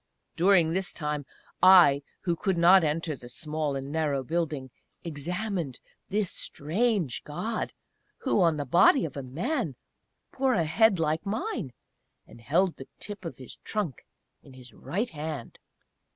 During this time I, who could not enter the small and narrow building, examined this strange God, who on the body of a Man bore a head like mine, and held the tip of his trunk in his right hand!